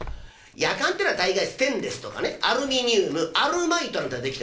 やかんてのは大概ステンレスとかねアルミニウムアルマイトなんてので出来てますよ。